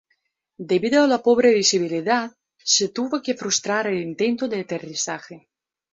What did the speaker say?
Debido a la pobre visibilidad, se tuvo que frustrar el intento de aterrizaje.